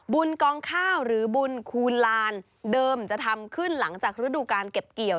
กองข้าวหรือบุญคูณลานเดิมจะทำขึ้นหลังจากฤดูการเก็บเกี่ยว